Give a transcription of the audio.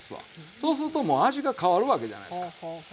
そうするともう味が変わるわけじゃないですか。ね。